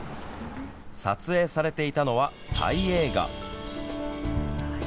撮影されていたのはタイ映画。